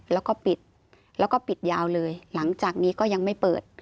แล้วก็ปิดแล้วก็ปิดยาวเลยหลังจากนี้ก็ยังไม่เปิด